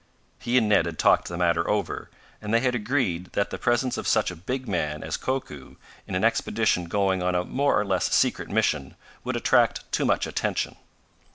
He and Ned had talked the matter over, and they had agreed that the presence of such a big man as Koku, in an expedition going on a more or less secret mission, would attract too much attention.